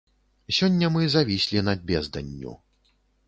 Сёння мы завіслі над безданню.